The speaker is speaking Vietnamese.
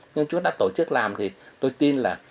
nhưng chúng ta tổ chức làm thì tôi tin là